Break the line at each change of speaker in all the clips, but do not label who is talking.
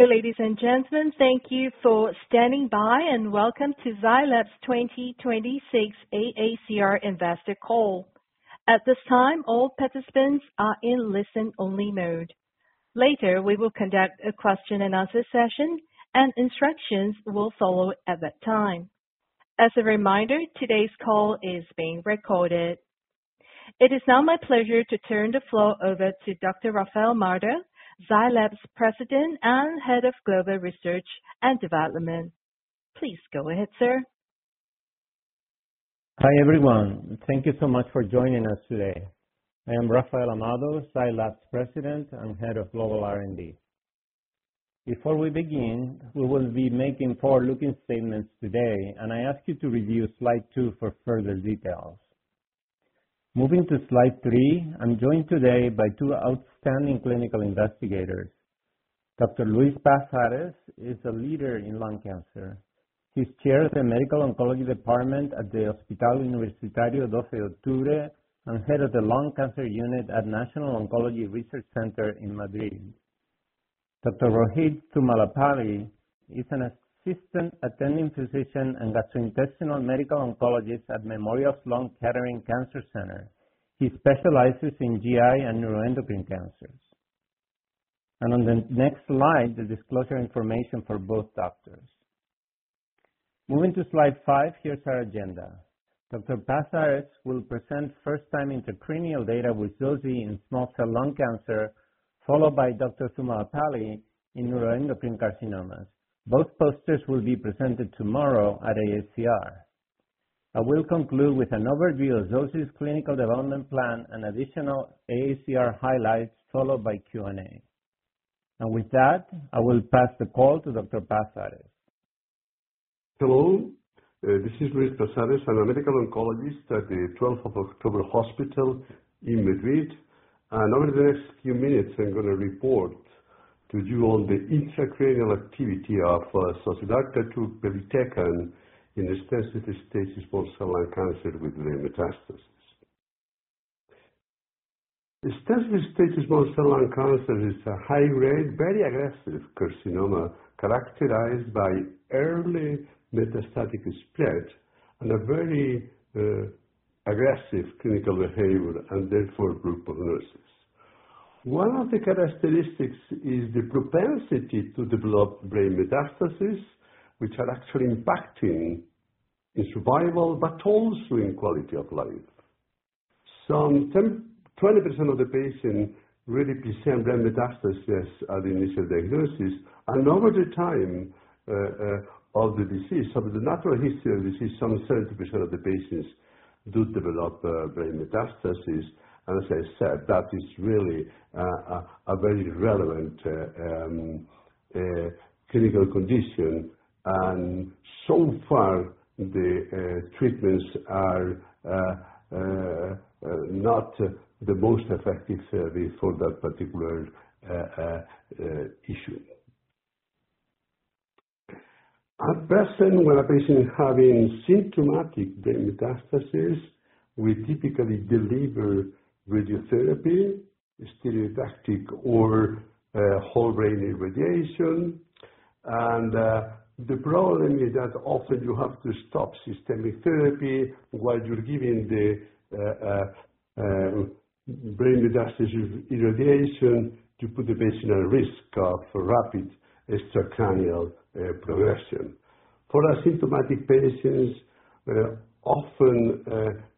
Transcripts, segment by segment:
Ladies and gentlemen, thank you for standing by and welcome to Zai Lab's 2026 AACR Investor Call. At this time, all participants are in listen-only mode. Later, we will conduct a question and answer session, and instructions will follow at that time. As a reminder, today's call is being recorded. It is now my pleasure to turn the floor over to Dr. Rafael Amado, Zai Lab's President and Head of Global Research and Development. Please go ahead, sir.
Hi, everyone. Thank you so much for joining us today. I am Rafael Amado, Zai Lab's President and Head of Global R&D. Before we begin, we will be making forward-looking statements today, and I ask you to review slide two for further details. Moving to slide three, I'm joined today by two outstanding clinical investigators. Dr. Luis Paz-Ares is a leader in lung cancer. He chairs the Medical Oncology Department at the Hospital Universitario 12 de Octubre and Head of the Lung Cancer Unit at Spanish National Cancer Research Centre in Madrid. Dr. Rohit Thummalapalli is an Assistant Attending Physician and Gastrointestinal Medical Oncologist at Memorial Sloan Kettering Cancer Center. He specializes in GI and neuroendocrine cancers. On the next slide, the disclosure information for both doctors. Moving to slide five, here's our agenda. Dr. Paz-Ares will present first-time intracranial data with zoci in small cell lung cancer, followed by Dr. Thummalapalli in neuroendocrine carcinomas. Both posters will be presented tomorrow at AACR. I will conclude with an overview of zoci's clinical development plan and additional AACR highlights, followed by Q&A. Now with that, I will pass the call to Dr. Paz-Ares.
Hello, this is Luis Paz-Ares. I'm a medical oncologist at Hospital Universitario 12 de Octubre in Madrid. Over the next few minutes, I'm going to report to you on the intracranial activity of zocilurtatug pelitecan in extensive-stage small cell lung cancer with brain metastasis. Extensive-stage small cell lung cancer is a high-grade, very aggressive carcinoma characterized by early metastatic spread and a very aggressive clinical behavior, and poor prognosis. One of the characteristics is the propensity to develop brain metastasis, which are actually impacting the survival, but also in quality of life. Some 20% of the patients really present brain metastasis at the initial diagnosis. Over the time of the disease, so the natural history of the disease, some 30% of the patients do develop brain metastasis. As I said, that is really a very relevant clinical condition. Far, the treatments are not the most effective therapy for that particular issue. At present, when a patient is having symptomatic brain metastasis, we typically deliver radiotherapy, stereotactic, or whole-brain irradiation. The problem is that often you have to stop systemic therapy while you're giving the brain metastasis irradiation. You put the patient at risk of rapid extracranial progression. For asymptomatic patients, often,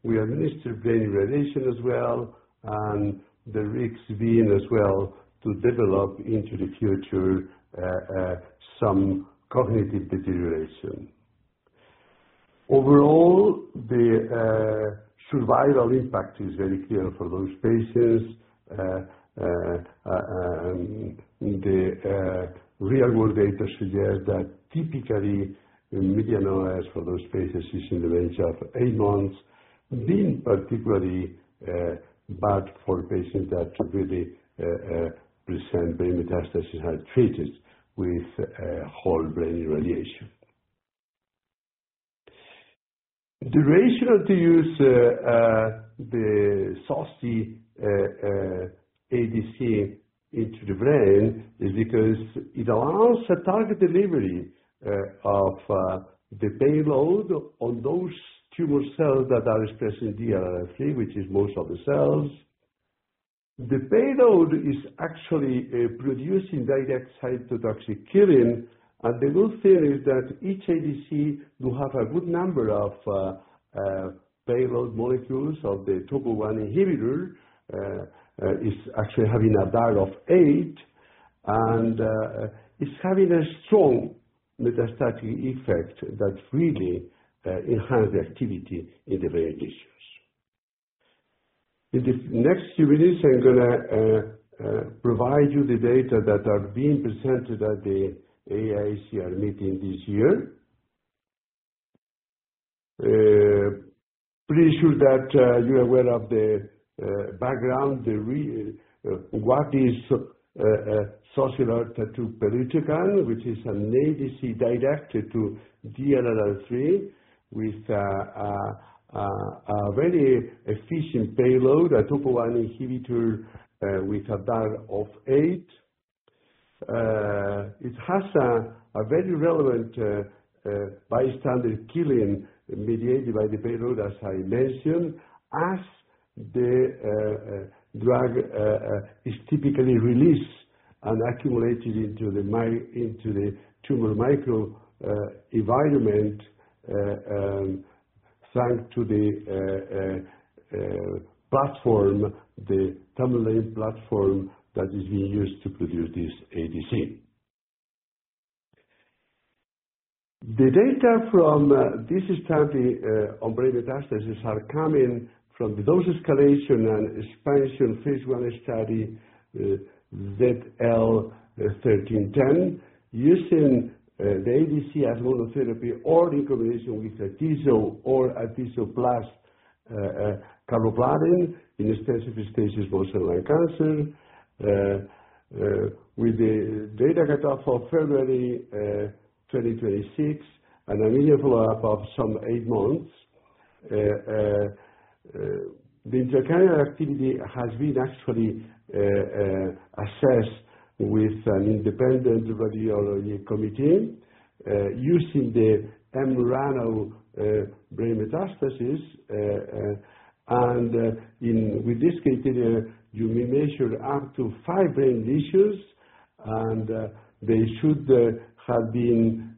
we administer brain radiation as well, and the risk being as well to develop into the future some cognitive deterioration. Overall, the survival impact is very clear for those patients. The real-world data suggest that typically, the median OS for those patients is in the range of eight months, being particularly bad for patients that really present brain metastasis and are treated with whole-brain irradiation. The rationale to use the zoci ADC into the brain is because it allows a target delivery of the payload on those tumor cells that are expressing DLL3, which is most of the cells. The payload is actually producing direct cytotoxic killing, and the good theory is that each ADC will have a good number of payload molecules of the Topo 1 inhibitor, is actually having a DAR of eight, and it's having a strong metastatic effect that really enhance the activity in the various tissues. In the next few minutes, I'm going to provide you the data that are being presented at the AACR meeting this year. Pretty sure that you are aware of the background, what is zocilurtatug pelitecan, which is an ADC directed to DLL3 with a very efficient payload, a Topo 1 inhibitor with a DAR of eight. It has a very relevant bystander killing mediated by the payload, as I mentioned, as the drug is typically released and accumulated into the tumor microenvironment thanks to the TMALIN platform that is being used to produce this ADC. The data from this study on brain metastases are coming from the dose escalation and expansion phase I study, ZL-1310, using the ADC as monotherapy or in combination with Atezolizumab or Atezolizumab plus carboplatin in extensive stages of small cell lung cancer, with a data cutoff of February 2026 and a median follow-up of some 8 months. The anti-cancer activity has been actually assessed with an independent radiology committee, using the mRANO brain metastasis. With this criteria, you may measure up to five brain lesions, and they should have been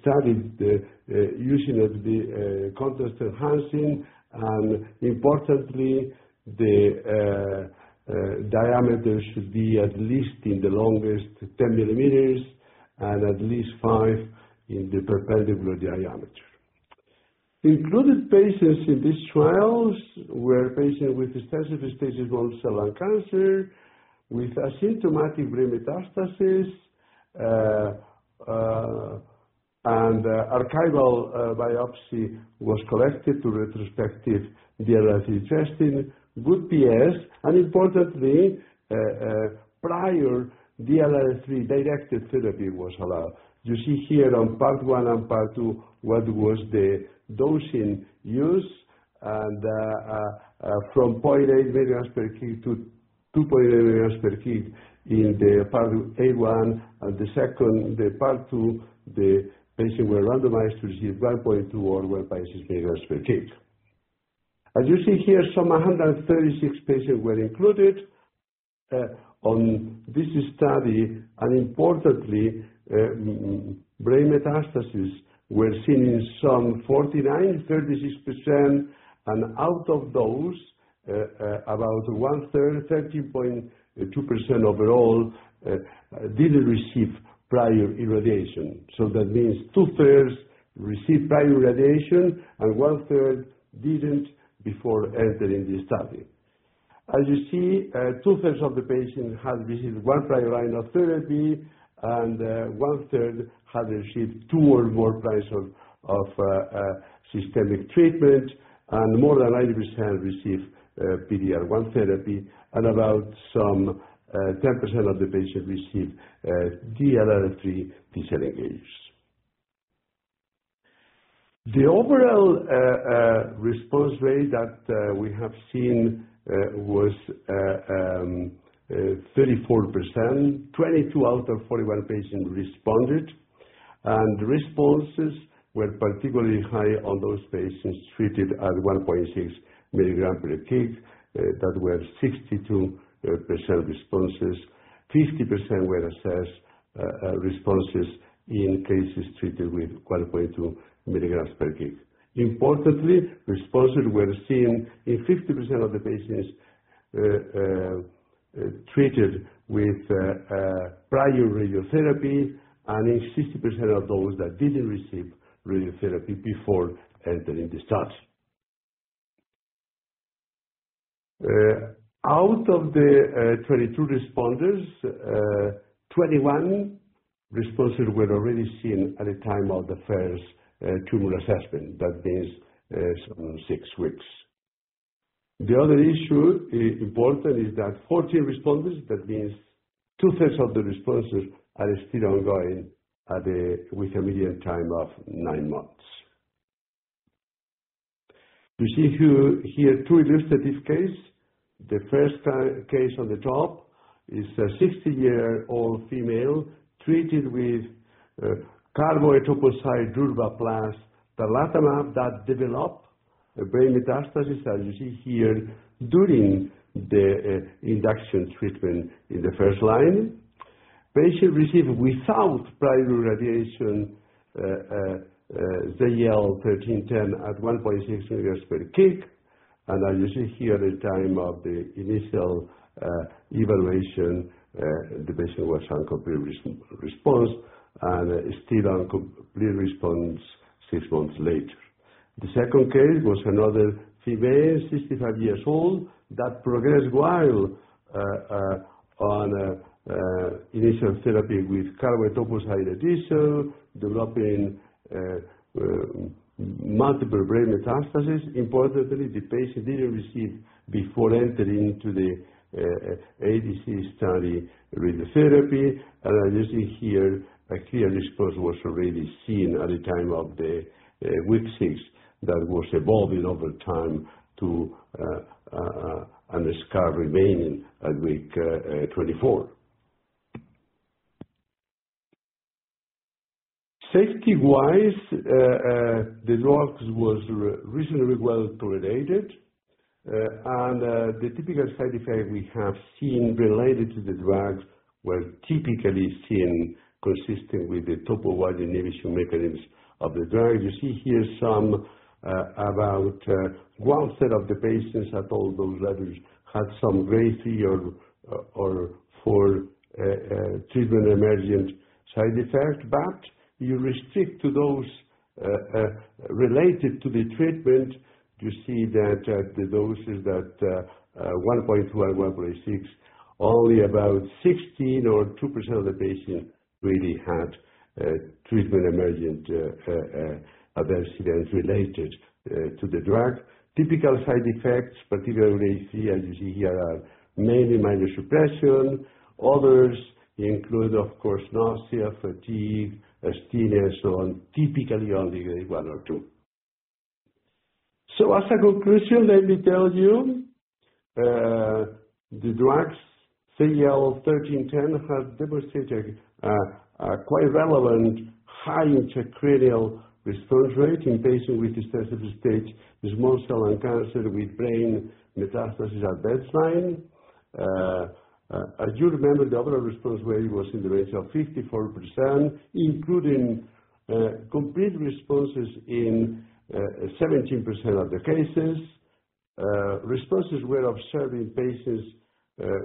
studied using the contrast enhancing, and importantly, the diameter should be at least in the longest 10 mm and at least five in the perpendicular diameter. Included patients in these trials were patients with extensive stages of non-small cell lung cancer with asymptomatic brain metastases, and archival biopsy was collected to retrospective DLL3 testing, good PS, and importantly, prior DLL3-directed therapy was allowed. You see here on part one and part two what was the dosing used, and from 0.8 mg per kg to 2.8 mg per kg in the part A1, and the second, the part two, the patients were randomized to receive 1.2 or 1.6 mg per kg. As you see here, 136 patients were included on this study, and importantly, brain metastases were seen in 49, 36%, and out of those, about 1/3, 30.2% overall, didn't receive prior irradiation. That means 2/3 received prior irradiation and 1/3 didn't before entering the study. As you see, 2/3 of the patients had received one prior line of therapy, and 1/3 had received two or more lines of systemic treatment, and more than 90% received PD-L1 therapy, and about some 10% of the patients received DLL3 inhibitors. The overall response rate that we have seen was 34%. 22 out of 41 patients responded, and responses were particularly high on those patients treated at 1.6 mg per kg. That was 62% responses. 50% were assessed responses in cases treated with 1.2 mg per kg. Importantly, responses were seen in 50% of the patients treated with prior radiotherapy and in 60% of those that didn't receive radiotherapy before entering the study. Out of the 22 responders, 21 responses were already seen at the time of the first tumor assessment. That means some six weeks. The other issue important is that 14 responders, that means 2/3 of the responses are still ongoing with a median time of nine months. You see here two illustrative cases. The first case on the top is a 60-year-old female treated with carboplatin etoposide Durvalumab plus that developed a brain metastasis, as you see here, during the induction treatment in the first line. patient received without prior irradiation, ZL-1310 at 1.6 mg per kg, and as you see here, the time of the initial evaluation, the patient was on complete response and still on complete response six months later. The second case was another female, 65 years old, that progressed while on initial therapy with carboplatin etoposide Atezolizumab, developing multiple brain metastases. Importantly, the patient didn't receive before entering into the ADC study, radiotherapy. As you see here, a clear response was already seen at the time of the week six that was evolving over time to a scar remaining at week 24. Safety-wise, the drug was reasonably well tolerated, and the typical side effects we have seen related to the drugs were typically seen consistent with the topoisomerase inhibition mechanisms of the drug. You see here, some about 1% of the patients at all those levels had some grade three or four treatment emergent side effects. You restrict to those related to the treatment, you see that the doses that 1.2 and 1.6, only about 16% or 2% of the patients really had treatment emergent adverse events related to the drug. Typical side effects, particularly cytopenias, as you see here, are mainly myelosuppression. Others include, of course, nausea, fatigue, asthenia, so on, typically only grade 1 or 2. As a conclusion, let me tell you, the drugs ZL-1310 has demonstrated a quite relevant high intracranial response rate in patients with extensive stage small cell lung cancer with brain metastases at baseline. As you remember, the overall response rate was in the range of 54%, including complete responses in 17% of the cases. Responses were observed in patients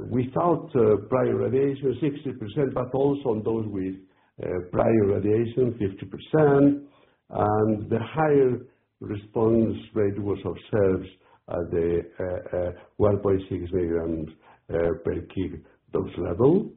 without prior radiation, 60%, but also in those with prior radiation, 50%. The higher response rate was observed at the 1.6 mg per kg dose level.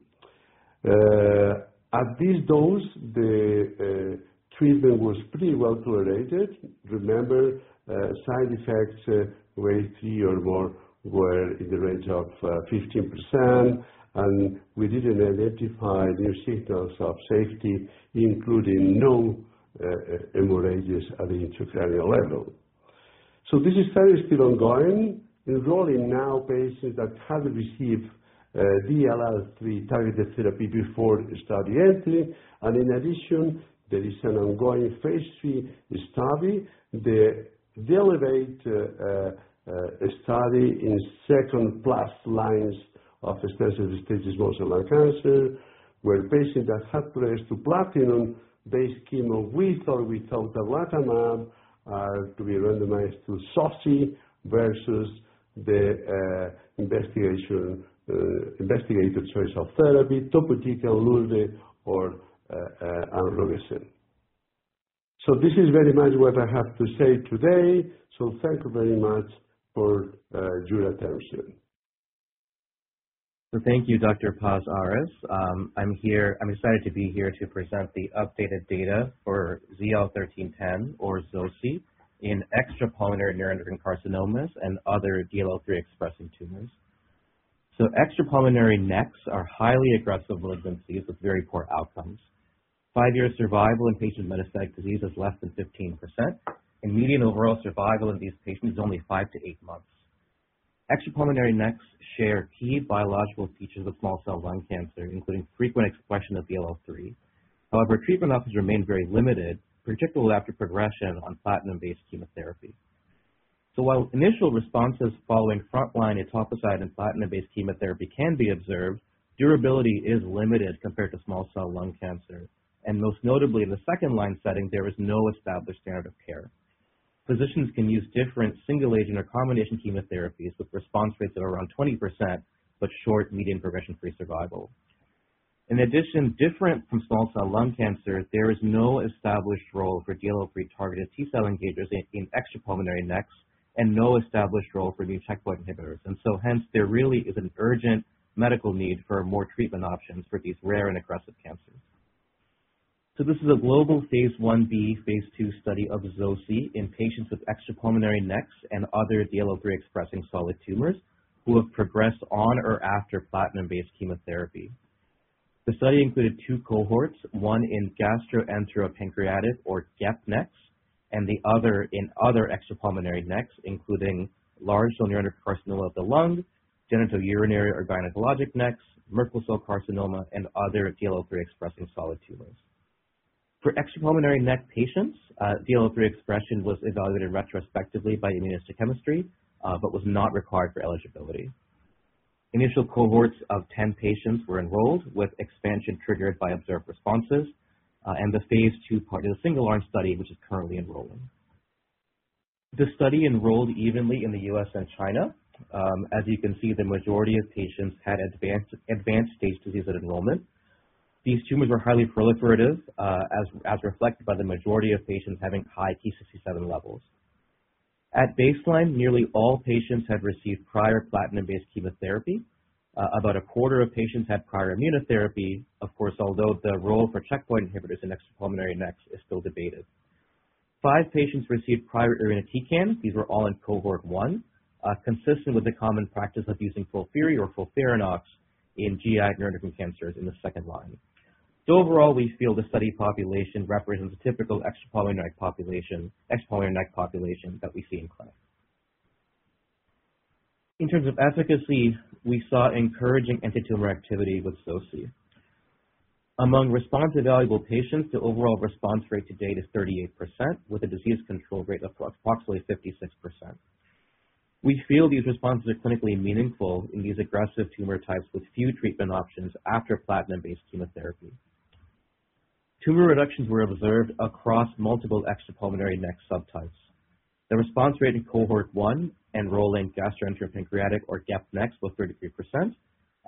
At this dose, the treatment was pretty well tolerated. Remember, side effects grade 3 or more were in the range of 15%, and we didn't identify new signals of safety, including no hemorrhages at the intracranial level. This study is still ongoing, enrolling now patients that haven't received DLL3-targeted therapy before study entry. In addition, there is an ongoing phase III study, the DLLEVATE study in second-plus lines of extensive stage small cell lung cancer, where patients that have progressed to platinum-based chemo with or without durvalumab are to be randomized to zoci versus the investigator's choice of therapy, topotecan, irinotecan, or amrubicin. This is very much what I have to say today. Thank you very much for your attention.
Thank you, Dr. Paz-Ares. I'm excited to be here to present the updated data for ZL-1310 or zoci in extrapulmonary neuroendocrine carcinomas and other DLL3-expressing tumors. Extrapulmonary NECs are highly aggressive malignancies with very poor outcomes. Five-year survival in patients with metastatic disease is less than 15%, and median overall survival in these patients is only five to eight months. Extrapulmonary NECs share key biological features with small cell lung cancer, including frequent expression of DLL3. However, treatment options remain very limited, particularly after progression on platinum-based chemotherapy. While initial responses following frontline etoposide and platinum-based chemotherapy can be observed, durability is limited compared to small cell lung cancer. Most notably in the second-line setting, there is no established standard of care. Physicians can use different single agent or combination chemotherapies with response rates of around 20%, but short median progression-free survival. In addition, different from small cell lung cancer, there is no established role for DLL3-targeted T-cell engagers in extrapulmonary NECs and no established role for new checkpoint inhibitors. Hence, there really is an urgent medical need for more treatment options for these rare and aggressive cancers. This is a global phase Ib/II study of zoci in patients with extrapulmonary NECs and other DLL3-expressing solid tumors who have progressed on or after platinum-based chemotherapy. The study included two cohorts, one in gastroentero-pancreatic, or GEP-NECs, and the other in other extrapulmonary NECs, including large cell neuroendocrine carcinoma of the lung, genitourinary or gynecologic NECs, Merkel cell carcinoma, and other DLL3-expressing solid tumors. For extrapulmonary NEC patients, DLL3 expression was evaluated retrospectively by immunohistochemistry, but was not required for eligibility. Initial cohorts of 10 patients were enrolled with expansion triggered by observed responses, and the phase II part is a single-arm study, which is currently enrolling. The study enrolled evenly in the U.S. and China. As you can see, the majority of patients had advanced stage disease at enrollment. These tumors were highly proliferative, as reflected by the majority of patients having high Ki-67 levels. At baseline, nearly all patients had received prior platinum-based chemotherapy. About a quarter of patients had prior immunotherapy, of course, although the role for checkpoint inhibitors in extrapulmonary NECs is still debated. Five patients received prior irinotecan. These were all in Cohort 1, consistent with the common practice of using FOLFIRI or FOLFIRINOX in GI neuroendocrine cancers in the second line. Overall, we feel the study population represents a typical extrapulmonary NEC population that we see in clinic. In terms of efficacy, we saw encouraging antitumor activity with zoci. Among response evaluable patients, the overall response rate to date is 38%, with a disease control rate of approximately 56%. We feel these responses are clinically meaningful in these aggressive tumor types with few treatment options after platinum-based chemotherapy. Tumor reductions were observed across multiple extrapulmonary NEC subtypes. The response rate in Cohort 1, enrolling gastroenteropancreatic or GEP-NECs, was 33%,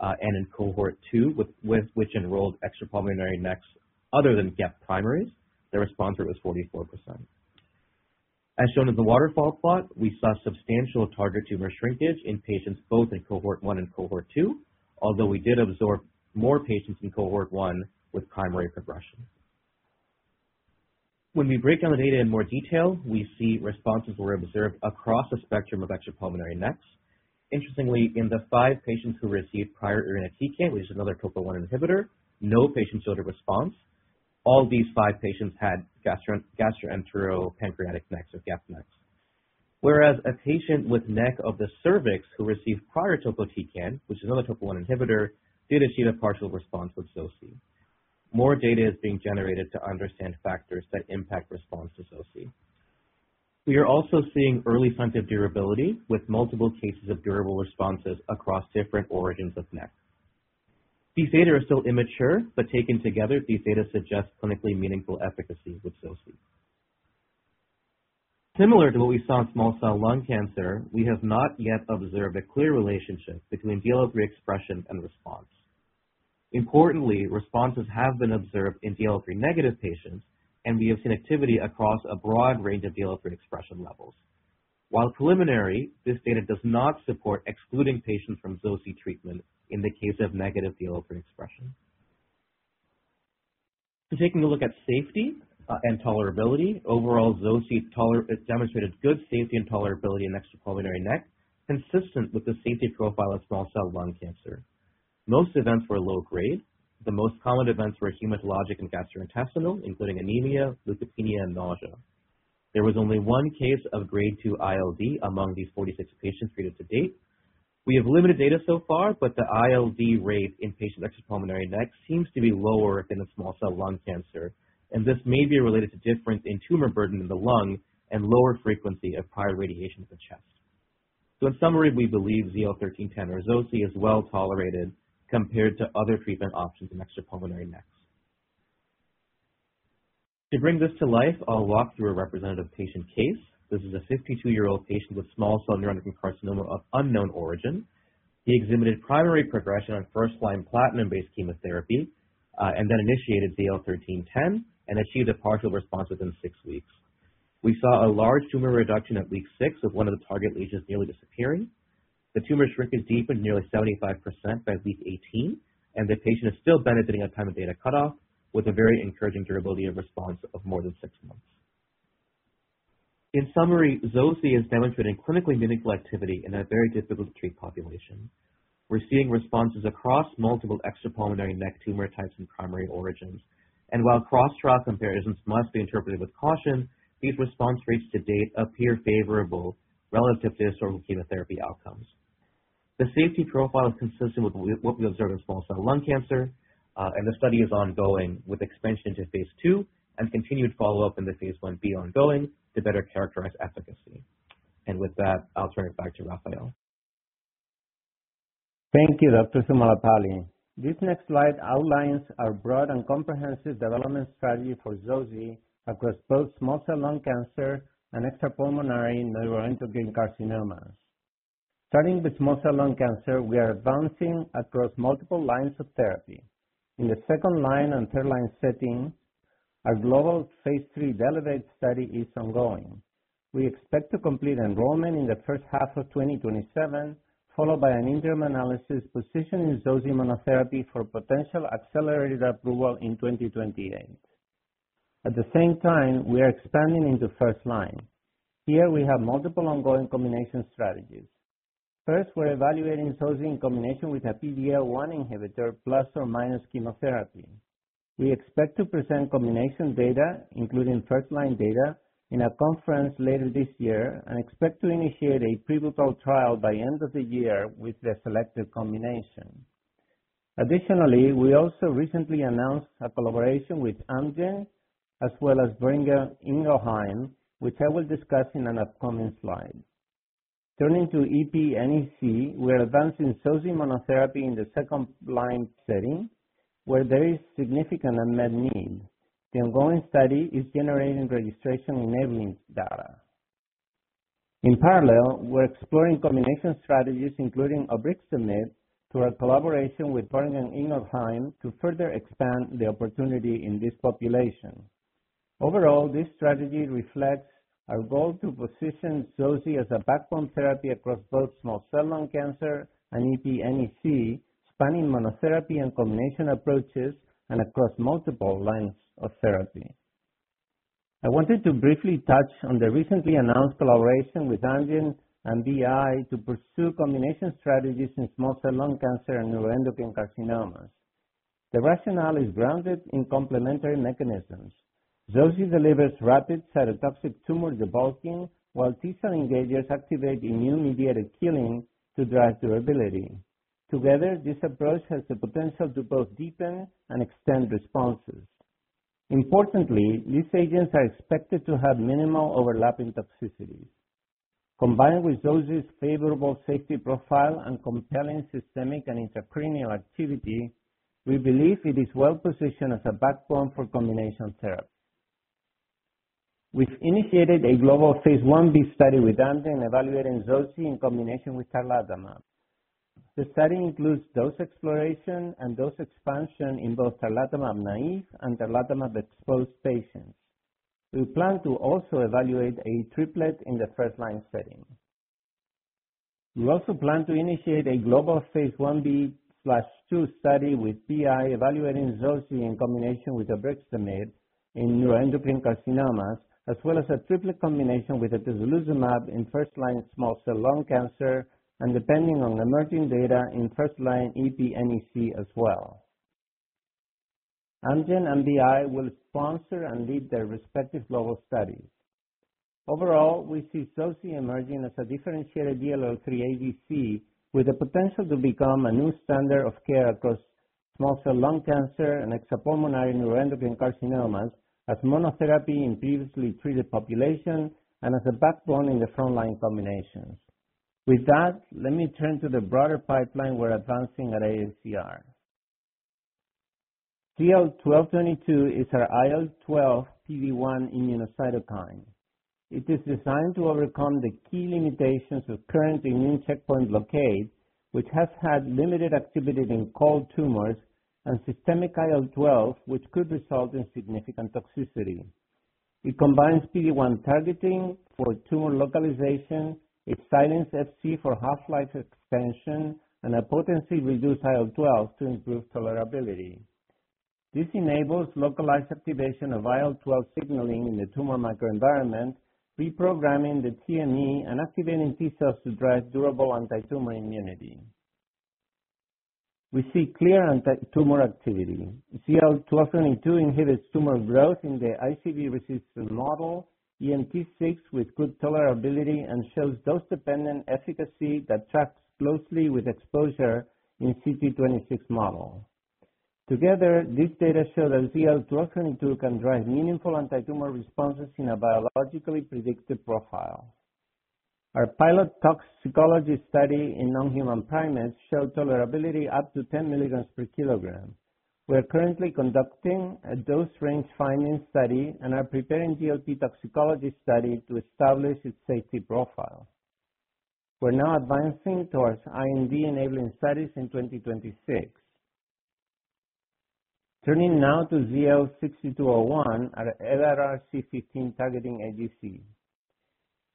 and in Cohort 2, which enrolled extrapulmonary NECs other than GEP primaries, the response rate was 44%. As shown in the waterfall plot, we saw substantial target tumor shrinkage in patients both in Cohort 1 and Cohort 2, although we did absorb more patients in Cohort 1 with primary progression. When we break down the data in more detail, we see responses were observed across a spectrum of extrapulmonary NECs. Interestingly, in the five patients who received prior irinotecan, which is another TOP1 inhibitor, no patients showed a response. All of these five patients had gastroenteropancreatic NECs or GEP-NECs. Whereas a patient with NEC of the cervix who received prior topotecan, which is another TOP1 inhibitor, did achieve a partial response with zoci. More data is being generated to understand factors that impact response to zoci. We are also seeing early signs of durability with multiple cases of durable responses across different origins of NEC. These data are still immature, but taken together, these data suggest clinically meaningful efficacy with zoci. Similar to what we saw in small cell lung cancer, we have not yet observed a clear relationship between DLL3 expression and response. Importantly, responses have been observed in DLL3-negative patients, and we have seen activity across a broad range of DLL3 expression levels. While preliminary, this data does not support excluding patients from zoci treatment in the case of negative DLL3 expression. Taking a look at safety and tolerability, overall, zoci demonstrated good safety and tolerability in extrapulmonary NEC, consistent with the safety profile of small cell lung cancer. Most events were low grade. The most common events were hematologic and gastrointestinal, including anemia, leukopenia, and nausea. There was only one case of grade 2 ILD among these 46 patients treated to date. We have limited data so far, but the ILD rate in patients with extrapulmonary NEC seems to be lower than the small cell lung cancer, and this may be related to difference in tumor burden in the lung and lower frequency of prior radiation to the chest. In summary, we believe ZL-1310 or zoci is well-tolerated compared to other treatment options in extrapulmonary NECs. To bring this to life, I'll walk through a representative patient case. This is a 52-year-old patient with small cell neuroendocrine carcinoma of unknown origin. He exhibited primary progression on first-line platinum-based chemotherapy, and then initiated ZL-1310 and achieved a partial response within six weeks. We saw a large tumor reduction at week six, with one of the target lesions nearly disappearing. The tumor shrinkage is deep and nearly 75% by week 18, and the patient is still benefiting at time of data cutoff, with a very encouraging durability of response of more than six months. In summary, zoci is demonstrating clinically meaningful activity in a very difficult to treat population. We're seeing responses across multiple extrapulmonary NEC tumor types and primary origins. While cross-trial comparisons must be interpreted with caution, these response rates to date appear favorable relative to historical chemotherapy outcomes. The safety profile is consistent with what we observe in small cell lung cancer, and the study is ongoing with expansion to phase II and continued follow-up in the phase I-B ongoing to better characterize efficacy. With that, I'll turn it back to Rafael.
Thank you, Dr. Thummalapalli. This next slide outlines our broad and comprehensive development strategy for zoci across both small cell lung cancer and extrapulmonary neuroendocrine carcinomas. Starting with small cell lung cancer, we are advancing across multiple lines of therapy. In the second-line and third-line setting, our global phase III DLLEVATE study is ongoing. We expect to complete enrollment in the first half of 2027, followed by an interim analysis positioning zoci monotherapy for potential accelerated approval in 2028. At the same time, we are expanding into first line. Here, we have multiple ongoing combination strategies. First, we're evaluating zoci in combination with a PD-L1 inhibitor plus or minus chemotherapy. We expect to present combination data, including first-line data, in a conference later this year and expect to initiate a pivotal trial by end of the year with the selected combination. Additionally, we also recently announced a collaboration with Amgen as well as Boehringer Ingelheim, which I will discuss in an upcoming slide. Turning to EPNEC, we're advancing zoci monotherapy in the second-line setting, where there is significant unmet need. The ongoing study is generating registration-enabling data. In parallel, we're exploring combination strategies, including obrixtamig, through our collaboration with Boehringer Ingelheim, to further expand the opportunity in this population. Overall, this strategy reflects our goal to position zoci as a backbone therapy across both small cell lung cancer and EPNEC, spanning monotherapy and combination approaches and across multiple lines of therapy. I wanted to briefly touch on the recently announced collaboration with Amgen and BI to pursue combination strategies in small cell lung cancer and neuroendocrine carcinomas. The rationale is grounded in complementary mechanisms. zoci delivers rapid cytotoxic tumor debulking, while T-cell engagers activate immune-mediated killing to drive durability. Together, this approach has the potential to both deepen and extend responses. Importantly, these agents are expected to have minimal overlap in toxicity. Combined with zoci's favorable safety profile and compelling systemic and intracranial activity, we believe it is well-positioned as a backbone for combination therapy. We've initiated a global phase Ib study with Amgen evaluating zoci in combination with tarlatamab. The study includes dose exploration and dose expansion in both tarlatamab naive and tarlatamab-exposed patients. We plan to also evaluate a triplet in the first-line setting. We also plan to initiate a global phase I-B/II study with BI evaluating zoci in combination with Abraxane in neuroendocrine carcinomas, as well as a triplet combination with Atezolizumab in first-line small cell lung cancer, and depending on emerging data, in first-line EP-NEC as well. Amgen and BI will sponsor and lead their respective global studies. Overall, we see zoci emerging as a differentiated DLL3 ADC with the potential to become a new standard of care across small cell lung cancer and extrapulmonary neuroendocrine carcinomas as monotherapy in previously treated population and as a backbone in the frontline combinations. With that, let me turn to the broader pipeline we're advancing at AACR. ZL-1222 is our IL-12 PD-1 immunocytokine. It is designed to overcome the key limitations of current immune checkpoint blockade, which has had limited activity in cold tumors, and systemic IL-12, which could result in significant toxicity. It combines PD-1 targeting for tumor localization. It silenced Fc for half-life expansion and a potency reduced IL-12 to improve tolerability. This enables localized activation of IL-12 signaling in the tumor microenvironment, reprogramming the TME and activating T-cells to drive durable antitumor immunity. We see clear antitumor activity. ZL-1222 inhibits tumor growth in the ICV-resistant model, EMT6, with good tolerability, and shows dose-dependent efficacy that tracks closely with exposure in CT26 model. Together, these data show that ZL-1222 can drive meaningful antitumor responses in a biologically predicted profile. Our pilot toxicology study in non-human primates showed tolerability up to 10 mg per kg. We're currently conducting a dose range finding study and are preparing GLP toxicology study to establish its safety profile. We're now advancing towards IND-enabling studies in 2026. Turning now to ZL-6201, our LRRC15 targeting ADC.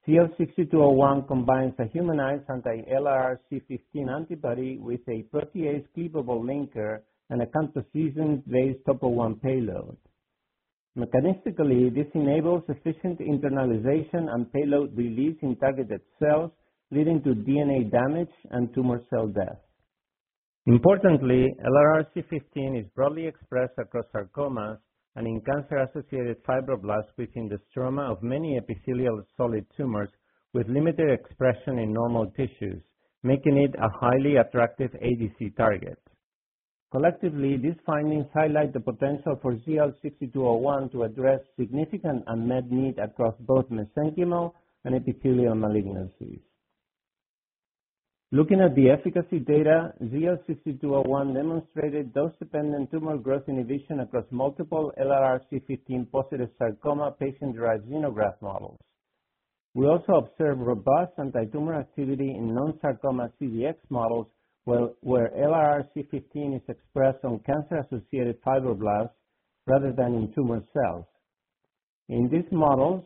ZL-6201 combines a humanized anti-LRRC15 antibody with a protease-cleavable linker and a camptothecin-based Topo 1 payload. Mechanistically, this enables efficient internalization and payload release in targeted cells, leading to DNA damage and tumor cell death. Importantly, LRRC15 is broadly expressed across sarcomas and in cancer-associated fibroblasts within the stroma of many epithelial solid tumors with limited expression in normal tissues, making it a highly attractive ADC target. Collectively, these findings highlight the potential for ZL-6201 to address significant unmet need across both mesenchymal and epithelial malignancies. Looking at the efficacy data, ZL-6201 demonstrated dose-dependent tumor growth inhibition across multiple LRRC15-positive sarcoma patient-derived xenograft models. We also observed robust antitumor activity in non-sarcoma CDX models, where LRRC15 is expressed on cancer-associated fibroblasts rather than in tumor cells. In these models,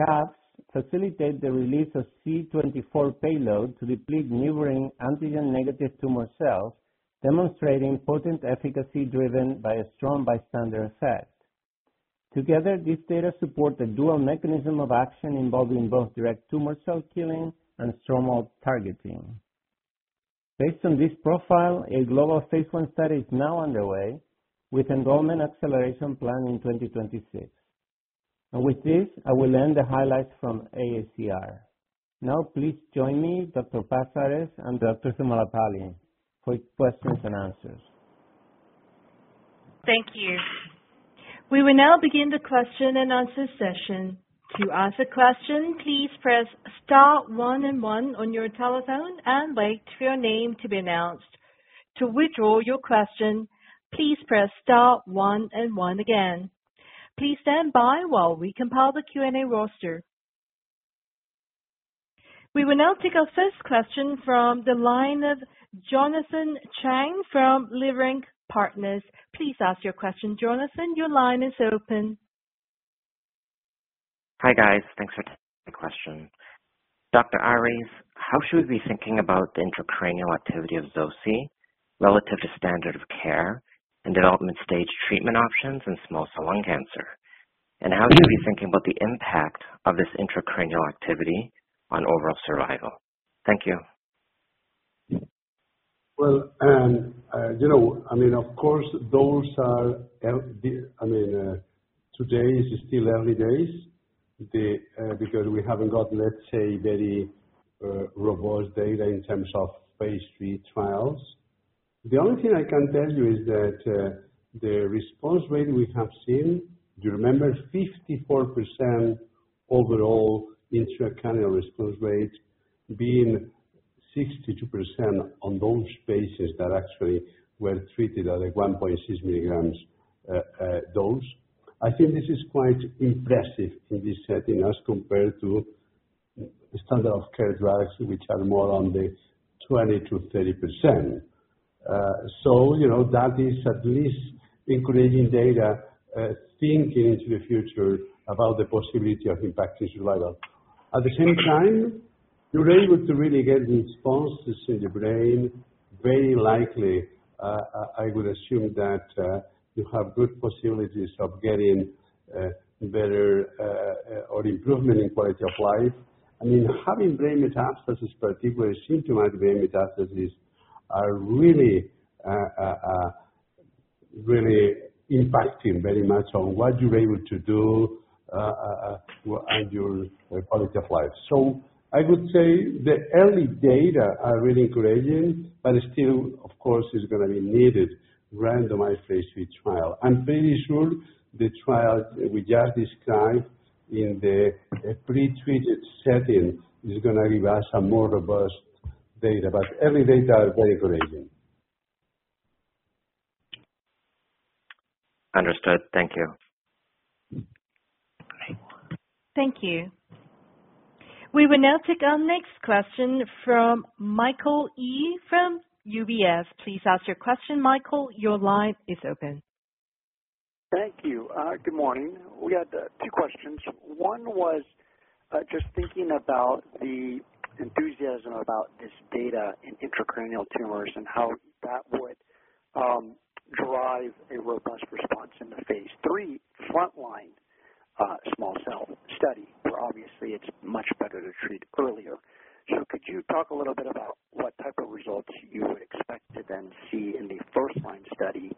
CAFs facilitate the release of C24 payload to deplete neighboring antigen-negative tumor cells, demonstrating potent efficacy driven by a strong bystander effect. Together, these data support the dual mechanism of action involving both direct tumor cell killing and stromal targeting. Based on this profile, a global phase I study is now underway, with enrollment acceleration planned in 2026. With this, I will end the highlights from AACR. Now please join me, Dr. Luis Paz-Ares, and Dr. Rohit Thummalapalli for questions and answers.
Thank you. We will now begin the question-and-answer session. To ask a question, please press star one and one on your telephone and wait for your name to be announced. To withdraw your question, please press star one and one again. Please stand by while we compile the Q&A roster. We will now take our first question from the line of Jonathan Chang from Leerink Partners. Please ask your question, Jonathan. Your line is open.
Hi, guys. Thanks for taking the question. Dr. Paz-Ares, how should we be thinking about the intracranial activity of zoci relative to standard of care in development stage treatment options in small cell lung cancer? How should we be thinking about the impact of this intracranial activity on overall survival? Thank you.
Well, of course, today is still early days, because we haven't got, let's say, very robust data in terms of phase III trials. The only thing I can tell you is that the response rate we have seen, you remember 54% overall intracranial response rate being 62% on those patients that actually were treated at a 1.6 mg dose. I think this is quite impressive in this setting as compared to standard of care drugs, which are more on the 20%-30%. That is at least encouraging data, thinking into the future about the possibility of impacting survival. At the same time, you're able to really get responses in the brain, very likely, I would assume that you have good possibilities of getting better or improvement in quality of life. Having brain metastases, particularly asymptomatic brain metastases, are really impacting very much on what you're able to do and your quality of life. I would say the early data are really encouraging, but still, of course, it's going to be needed randomized phase III trial. I'm fairly sure the trial we just described in the pre-treated setting is going to give us a more robust data. Early data are very encouraging.
Understood. Thank you.
Thank you. We will now take our next question from Michael Yee from UBS. Please ask your question, Michael. Your line is open.
Thank you. Good morning. We had two questions. One was just thinking about the enthusiasm about this data in intracranial tumors and how that would drive a robust response in the phase III frontline small-cell study, where obviously it's much better to treat earlier. Could you talk a little bit about what type of results you would expect to then see in the first-line study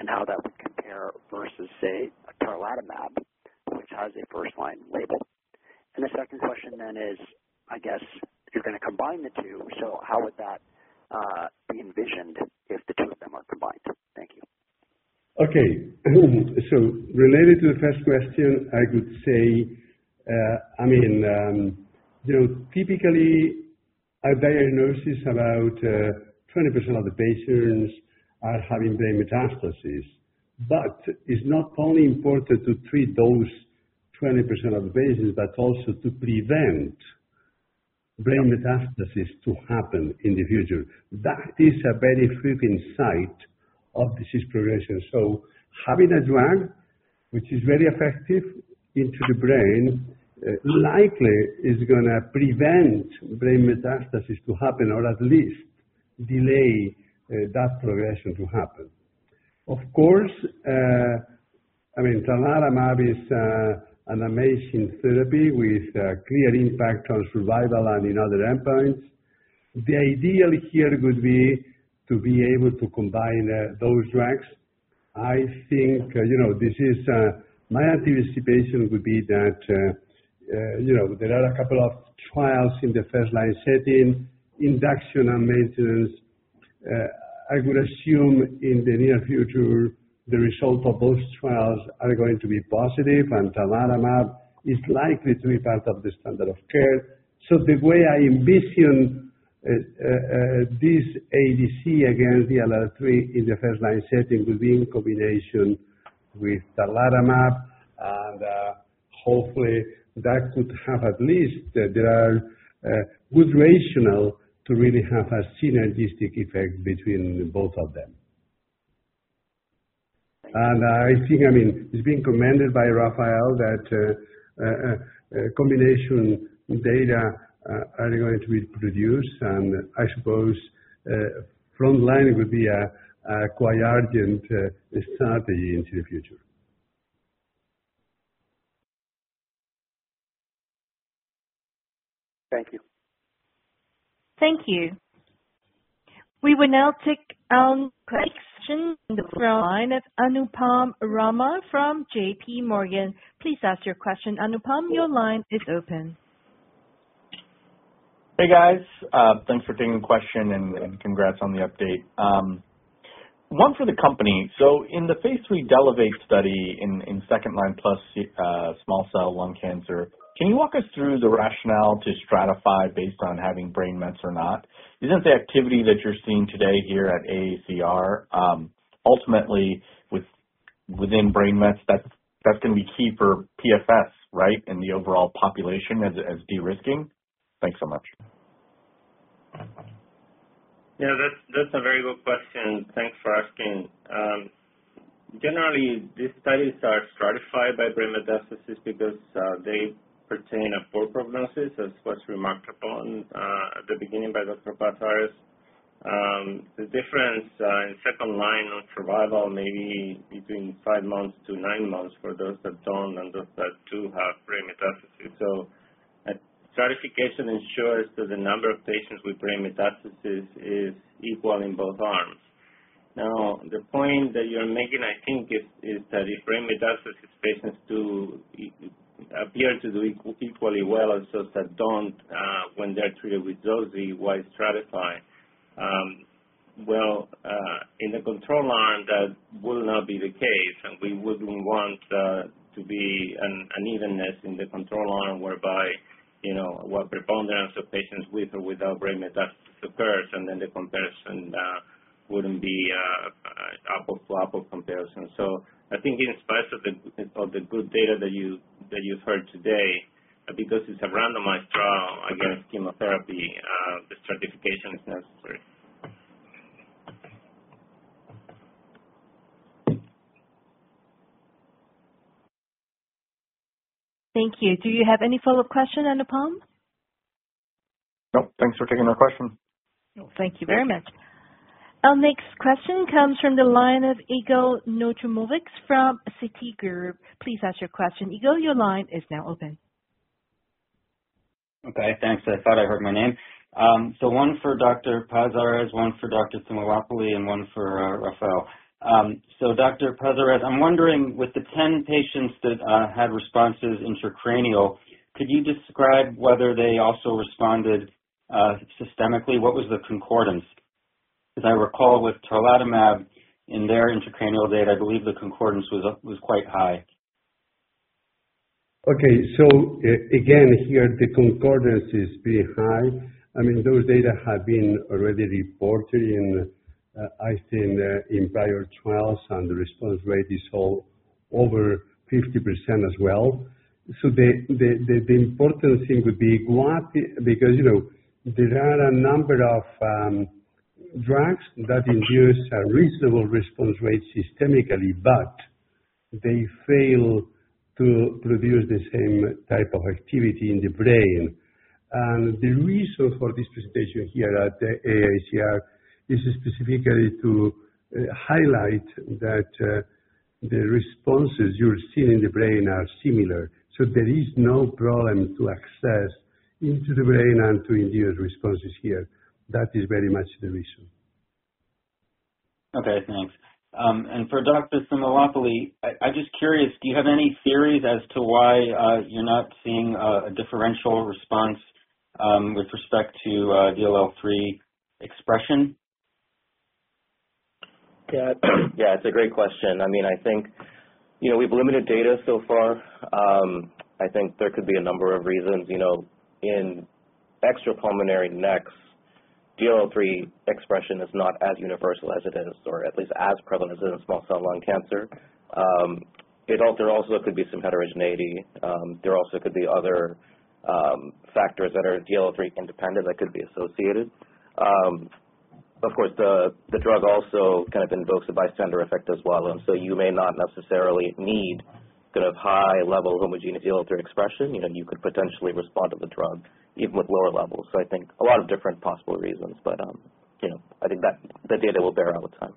and how that would compare versus, say, tarlatamab, which has a first-line label? The second question then is, I guess you're going to combine the two. How would that be envisioned if the two of them are combined? Thank you.
Okay. Related to the first question, I would say, typically at diagnosis, about 20% of the patients are having brain metastases. It's not only important to treat those 20% of the patients, but also to prevent brain metastases to happen in the future. That is a very frequent site of disease progression. Having a drug which is very effective into the brain, likely is going to prevent brain metastases to happen or at least delay that progression to happen. Of course, durvalumab is an amazing therapy with a clear impact on survival and in other endpoints. The ideal here would be to be able to combine those drugs. My anticipation would be that there are a couple of trials in the first line setting, induction and maintenance. I would assume in the near future, the result of those trials are going to be positive, and tarlatamab is likely to be part of the standard of care. The way I envision this ADC against DLL3 in the first line setting will be in combination with tarlatamab. Hopefully that could have at least there are good rationale to really have a synergistic effect between both of them. I think, it's been commented by Rafael that combination data are going to be produced, and I suppose frontline would be a quite urgent strategy into the future.
Thank you.
Thank you. We will now take question from line of Anupam Rama from JPMorgan. Please ask your question. Anupam, your line is open.
Hey, guys. Thanks for taking the question and congrats on the update. One for the company. In the phase III DLLEVATE study in second line plus small cell lung cancer, can you walk us through the rationale to stratify based on having brain mets or not? Isn't the activity that you're seeing today here at AACR, ultimately within brain mets, that's going to be key for PFS, right? In the overall population as de-risking? Thanks so much.
Yeah, that's a very good question. Thanks for asking. Generally, these studies are stratified by brain metastasis because they pertain a poor prognosis, as was remarked upon the beginning by Dr. Luis Paz-Ares. The difference in second line on survival may be between five to nine months for those that don't and those that do have brain metastases. Stratification ensures that the number of patients with brain metastases is equal in both arms. Now, the point that you're making, I think, is that if brain metastases patients do appear to do equally well as those that don't when they're treated with zoci, why stratify? Well, in the control arm, that will not be the case, and we wouldn't want there to be an unevenness in the control arm whereby one preponderance of patients with or without brain metastases occurs, and then the comparison wouldn't be apple-to-apple comparison. I think in spite of the good data that you've heard today, because it's a randomized trial against chemotherapy, the stratification is necessary.
Thank you. Do you have any follow-up question on the plan?
No, thanks for taking my question.
Thank you very much. Our next question comes from the line of Yigal Nochomovitz from Citigroup. Please ask your question. Yigal, your line is now open.
Okay, thanks. I thought I heard my name. One for Dr. Paz-Ares, one for Dr. Thummalapalli, and one for Rafael. Dr. Paz-Ares, I'm wondering with the 10 patients that had responses intracranial, could you describe whether they also responded systemically? What was the concordance? Because I recall with tarlatamab in their intracranial data, I believe the concordance was quite high.
Okay. Again, here the concordance is pretty high. I mean, those data have been already reported in, I think, in prior trials, and the response rate is over 50% as well. The important thing would be what, because there are a number of drugs that induce a reasonable response rate systemically, but they fail to produce the same type of activity in the brain. The reason for this presentation here at the AACR is specifically to highlight that the responses you're seeing in the brain are similar. There is no problem to access into the brain and to induce responses here. That is very much the reason.
Okay, thanks. For Dr. Rohit Thummalapalli, I'm just curious, do you have any theories as to why you're not seeing a differential response with respect to DLL3 expression?
Yeah. Yeah, it's a great question. I think we have limited data so far. I think there could be a number of reasons. In extrapulmonary NECs, DLL3 expression is not as universal as it is, or at least as prevalent as it is in small cell lung cancer. There also could be some heterogeneity. There also could be other factors that are DLL3 independent that could be associated. Of course, the drug also kind of invokes a bystander effect as well, and so you may not necessarily need to have high level homogeneous DLL3 expression. You could potentially respond to the drug even with lower levels. I think a lot of different possible reasons, but I think that data will bear out with time.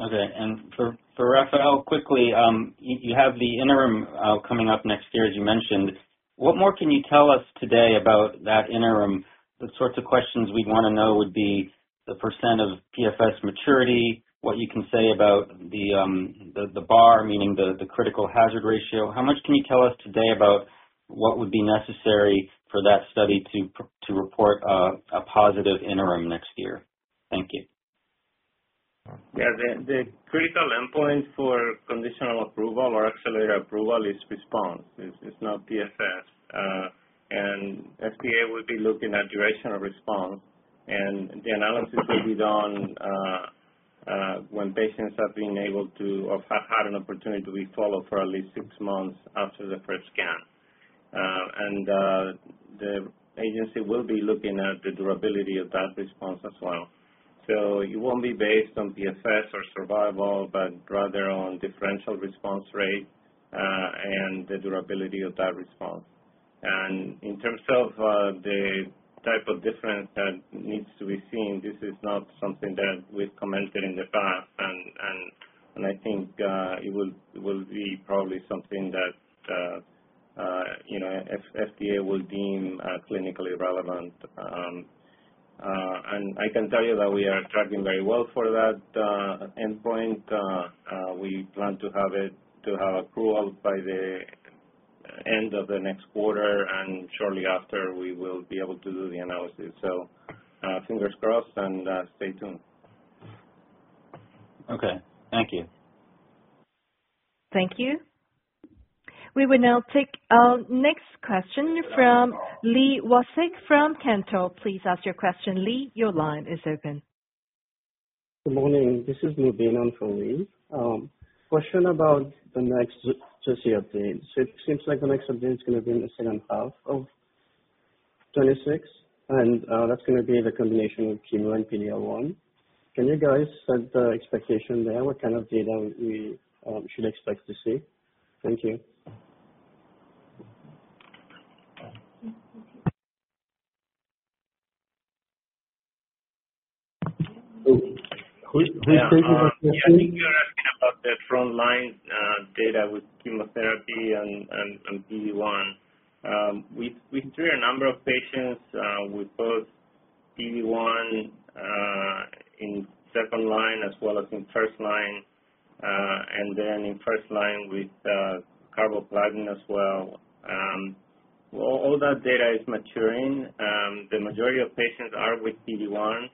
Okay. For Rafael, quickly, you have the interim coming up next year, as you mentioned. What more can you tell us today about that interim? The sorts of questions we'd want to know would be the % of PFS maturity, what you can say about the bar, meaning the critical hazard ratio. How much can you tell us today about what would be necessary for that study to report a positive interim next year? Thank you.
Yeah. The critical endpoint for conditional approval or accelerated approval is response. It's not PFS. FDA will be looking at durational response, and the analysis will be done when patients have been able to or have had an opportunity to be followed for at least six months after the first scan. The agency will be looking at the durability of that response as well. It won't be based on PFS or survival, but rather on differential response rate, and the durability of that response. In terms of the type of difference that needs to be seen, this is not something that we've commented in the past, and I think it will be probably something that FDA will deem clinically relevant. I can tell you that we are tracking very well for that endpoint. We plan to have approval by the end of the next quarter, and shortly after, we will be able to do the analysis. Fingers crossed and stay tuned.
Okay. Thank you.
Thank you. We will now take our next question from Li Watsek from Cantor. Please ask your question. Li, your line is open.
Good morning. This is New Benon for Li. Question about the next Jesse update. It seems like the next update is going to be in the second half of 2026, and that's going to be the combination of chemo and PD-L1. Can you guys set the expectation there? What kind of data we should expect to see? Thank you.
Yeah. I think you're asking about the frontline data with chemotherapy and PD-1. We treat a number of patients with both PD-1 in second line as well as in first line, and then in first line with carboplatin as well. All that data is maturing. The majority of patients are with PD-1.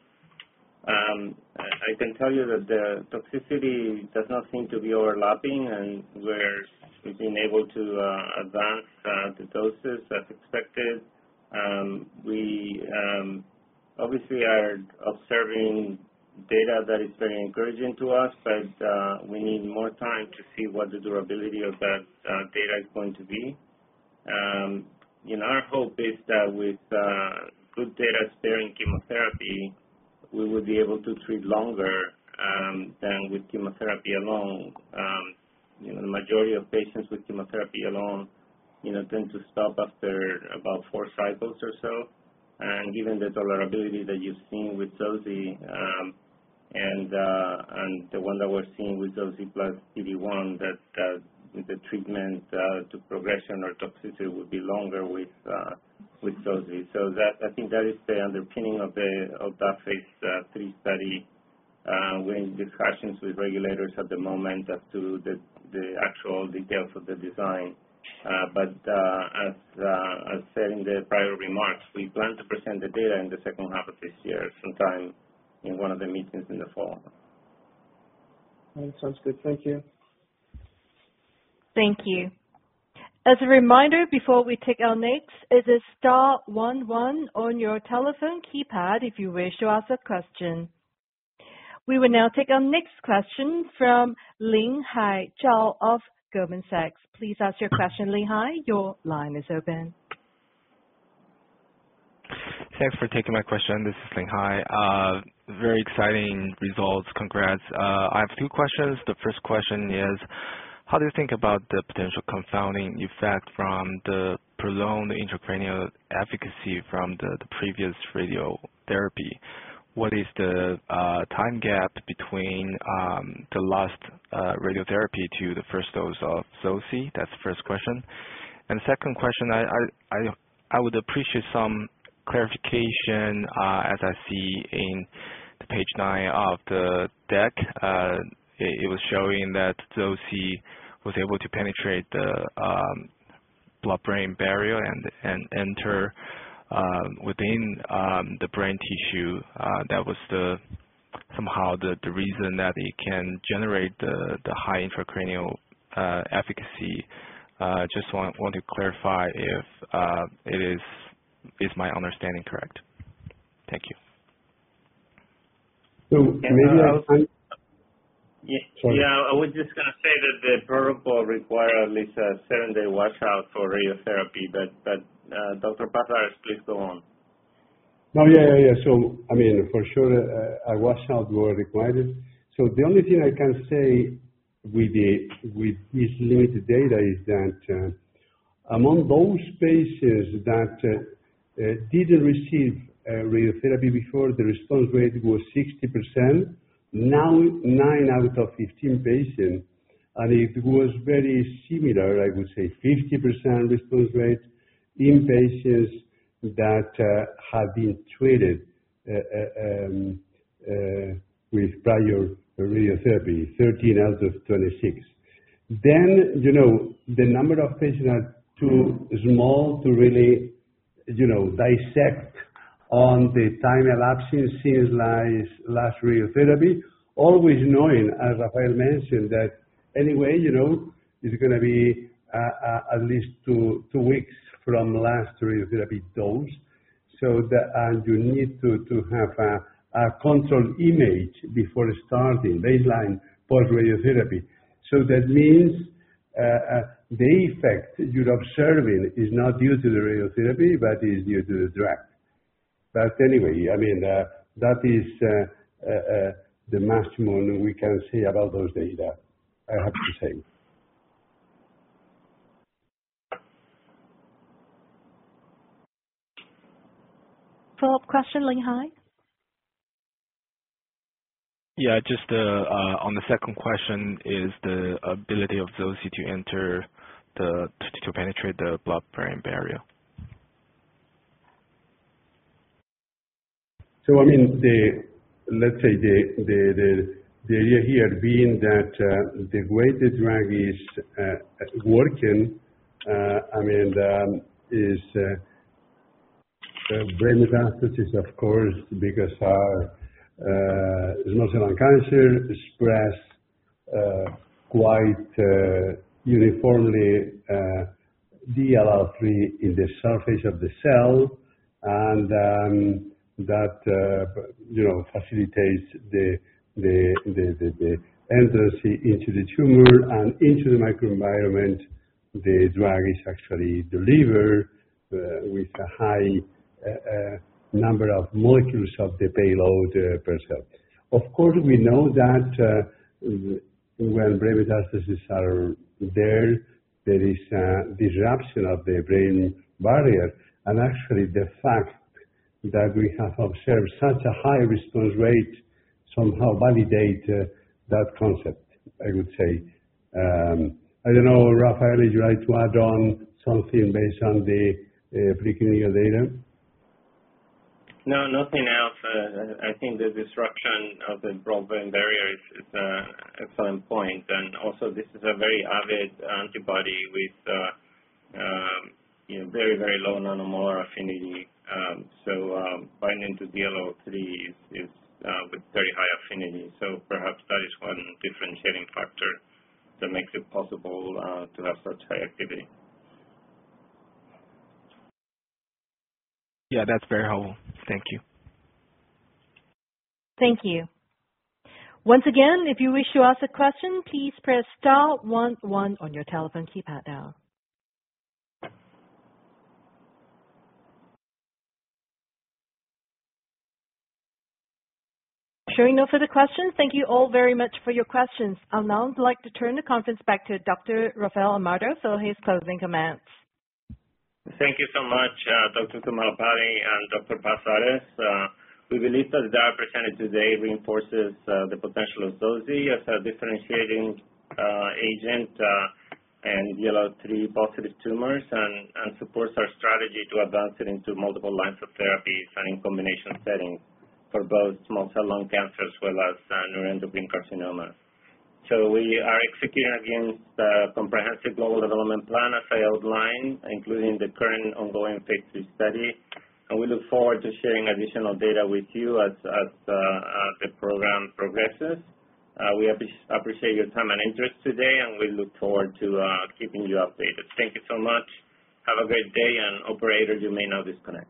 I can tell you that the toxicity does not seem to be overlapping, and we're being able to advance the doses as expected. We obviously are observing data that is very encouraging to us, but we need more time to see what the durability of that data is going to be. Our hope is that with good data sparing chemotherapy, we will be able to treat longer than with chemotherapy alone. The majority of patients with chemotherapy alone tend to stop after about four cycles or so. Given the tolerability that you've seen with ZY, and the one that we're seeing with ZY plus PD-1, that the treatment to progression or toxicity will be longer with ZY. I think that is the underpinning of that phase III study. We're in discussions with regulators at the moment as to the actual details of the design. As I said in the prior remarks, we plan to present the data in the second half of this year, sometime in one of the meetings in the fall.
That sounds good. Thank you.
Thank you. As a reminder, before we take our next, it is star one one on your telephone keypad if you wish to ask a question. We will now take our next question from Linhai Zhao of Goldman Sachs. Please ask your question, Linhai. Your line is open.
Thanks for taking my question. This is Linhai Zhao. Very exciting results. Congrats. I have two questions. The first question is how do you think about the potential confounding effect from the prolonged intracranial efficacy from the previous radiotherapy? What is the time gap between the last radiotherapy to the first dose of ZY? That's the first question. Second question, I would appreciate some clarification, as I see in the page nine of the deck, it was showing that ZY was able to penetrate the blood-brain barrier and enter within the brain tissue. That was somehow the reason that it can generate the high intracranial efficacy. Just want to clarify if is my understanding correct? Thank you.
Sorry.
Yeah. I was just going to say that the protocol requires at least a seven-day washout for radiotherapy. Dr. Luis Paz-Ares, please go on.
Yeah. I mean, for sure, a washout were required. The only thing I can say with this limited data is that among those patients that didn't receive radiotherapy before, the response rate was 60%. In nine out of 15 patients, and it was very similar, I would say 50% response rate in patients that have been treated with prior radiotherapy, 13 out of 26. The number of patients are too small to really dissect on the time elapsed since last radiotherapy, always knowing, as Rafael mentioned, that anyway, it's going to be at least two weeks from last radiotherapy dose. You need to have a control image before starting baseline post-radiotherapy. That means the effect you're observing is not due to the radiotherapy, but is due to the drug. Anyway, that is the maximum we can say about those data, I have to say.
Follow-up question, Linhai?
Yeah, just on the second question, is the ability of ZY to penetrate the blood-brain barrier.
Let's say the idea here being that the way the drug is working, is brain metastasis, of course, because our small cell lung cancer express quite uniformly DLL3 in the surface of the cell, and that facilitates the entrance into the tumor and into the microenvironment the drug is actually delivered with a high number of molecules of the payload per se. Of course, we know that when brain metastases are there is disruption of the brain barrier. Actually, the fact that we have observed such a high response rate somehow validates that concept, I would say. I don't know, Rafael, would you like to add on something based on the preclinical data?
No, nothing else. I think the disruption of the blood-brain barrier is at some point, and also this is a very avid antibody with very low nanomolar affinity. Binding to DLL3 is with very high affinity. Perhaps that is one differentiating factor that makes it possible to have such high activity.
Yeah, that's very helpful. Thank you.
Thank you. Once again if you wish to ask a question please press star one one on your telephone keypad now. Thank you all very much for your questions. I'd now like to turn the conference back to Dr. Rafael Amado for his closing comments.
Thank you so much, Dr. Thummalapalli and Dr. Paz-Ares. We believe that the data presented today reinforces the potential of zoci as a differentiating agent in DLL3-positive tumors and supports our strategy to advance it into multiple lines of therapies and in combination settings for both small cell lung cancers as well as neuroendocrine carcinomas. We are executing against the comprehensive global development plan, as I outlined, including the current ongoing phase II study, and we look forward to sharing additional data with you as the program progresses. We appreciate your time and interest today, and we look forward to keeping you updated. Thank you so much. Have a great day, and operator, you may now disconnect.